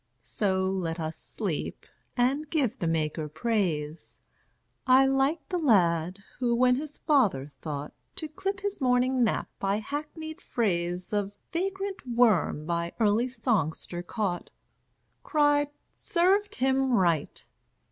So let us sleep, and give the Maker praise. I like the lad who, when his father thought To clip his morning nap by hackneyed phrase Of vagrant worm by early songster caught, Cried, "Served him right!